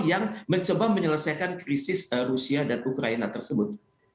yang mencoba menyelesaikan krisis rusia dan ukraina tersebut